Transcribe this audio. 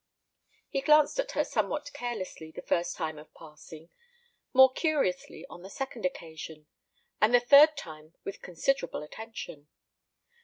He glanced at her somewhat carelessly the first time of passing, more curiously on the second occasion, and the third time with considerable attention.